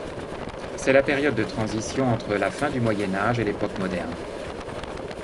C'est la période de transition entre la fin du Moyen Âge et l'Époque moderne.